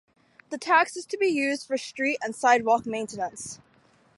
The tax is to be used for street and sidewalk maintenance.